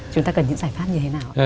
chúng ta cần những giải pháp như thế nào